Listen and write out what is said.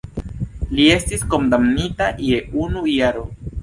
Li estis kondamnita je unu jaro.